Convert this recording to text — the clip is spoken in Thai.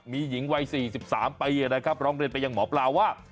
มีหญิงวัย๔๓ปีนะครับร้องเรียนไปยังหมอปลาว่า